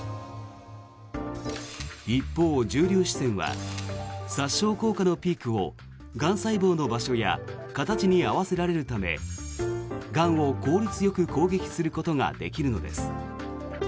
一方、重粒子線は殺傷効果のピークをがん細胞の場所や形に合わせられるためがんを効率よく攻撃することができるのです。